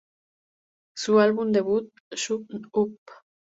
Su álbum debut "Shut Up!